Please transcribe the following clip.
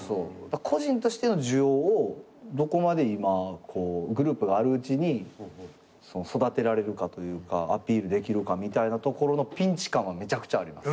個人としての需要をどこまで今こうグループがあるうちに育てられるかというかアピールできるかみたいなところのピンチ感はめちゃくちゃあります。